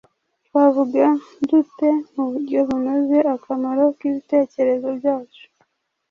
Twavuga dute mu buryo bunoze akamaro k’ibitekerezo byacu,